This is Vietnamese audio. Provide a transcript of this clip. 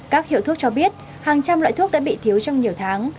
các hiệu thuốc cho biết hàng trăm loại thuốc đã bị thiếu trong nhiều tháng